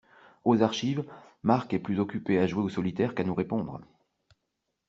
Aux archives, Marc est plus occupé à jouer au solitaire qu'à nous répondre.